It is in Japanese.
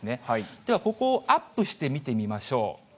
では、ここをアップして見てみましょう。